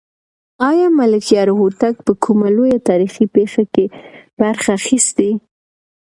آیا ملکیار هوتک په کومه لویه تاریخي پېښه کې برخه اخیستې؟